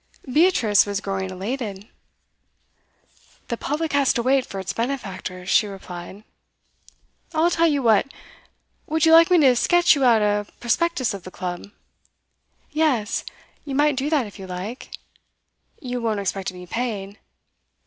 Beatrice was growing elated. 'The public has to wait for its benefactors,' she replied. 'I'll tell you what, would you like me to sketch you out a prospectus of the Club?' 'Yes, you might do that if you like. You won't expect to be paid?